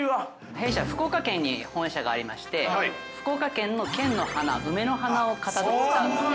◆弊社、福岡県に本社がありまして、福岡県の県の花梅の花をかたどった。